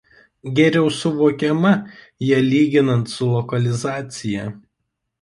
Geriau suvokiama ją lyginant su lokalizacija.